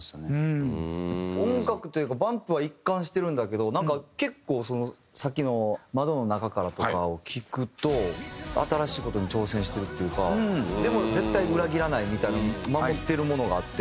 音楽というかＢＵＭＰは一貫してるんだけどなんか結構さっきの『窓の中から』とかを聴くと新しい事に挑戦してるっていうかでも絶対に裏切らないみたいな守ってるものがあって。